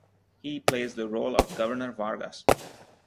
He plays the role of Governor Vargas.